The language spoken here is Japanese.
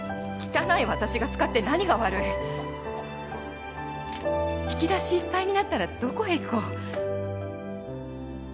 「汚いわたしが使って何が悪い」「引き出しいっぱいになったらどこへ行こう」